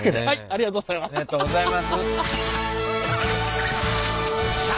ありがとうございます。